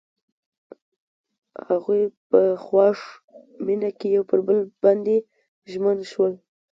هغوی په خوښ مینه کې پر بل باندې ژمن شول.